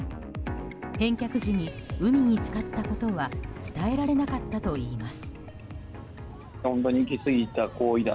返却時に海に浸かったことは伝えられなかったといいます。